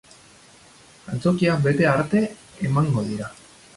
Antzokia bete arte emango dira.